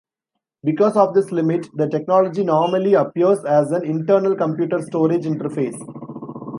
Because of this limit, the technology normally appears as an internal computer storage interface.